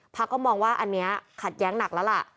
ก็มองว่าอันนี้ขัดแย้งหนักแล้วล่ะ